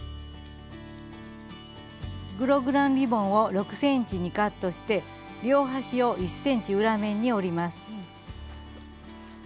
グログランリボンを６ｃｍにカットして両端を１ｃｍ裏面に折ります。